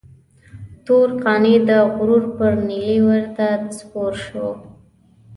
تور قانع د غرور پر نيلي ورته سپور شو.